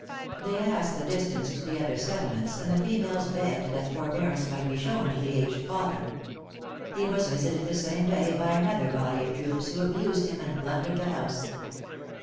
'" They asked the distance to the other settlements; and the females begged that forbearance might be shown to the aged father. He was visited the same day by another body of troops, who abused him and plundered the house.